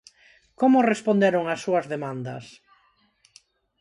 Como responderon ás súas demandas?